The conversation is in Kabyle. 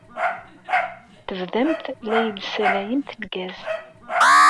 Tebdamt la iyi-d-tessalayemt lgaz.